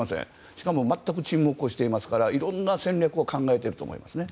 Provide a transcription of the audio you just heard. しかも全く沈黙をしていますからいろんな戦略を考えていると思います。